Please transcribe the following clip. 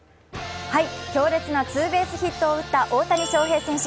強烈なツーベースヒットを打った大谷翔平選手。